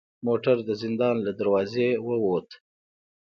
موټر د زندان له دروازې و وت.